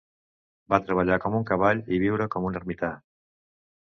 Va treballar com un cavall i viure com un ermità.